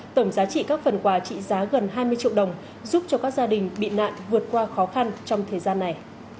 tổng giá trị các phần quà trị giá gần hai mươi triệu đồng giúp cho các gia đình bị nạn vượt qua khó khăn trong thời gian này